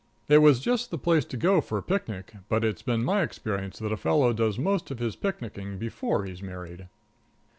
It was just the place to go for a picnic, but it's been my experience that a fellow does most of his picnicking before he's married.